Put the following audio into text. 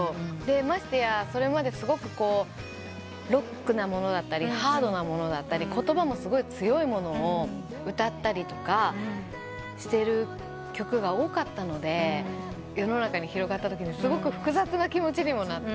ましてやそれまですごくロックなものだったりハードなものだったり言葉もすごい強いものを歌ったりしてる曲が多かったので世の中に広がったときにすごく複雑な気持ちにもなって。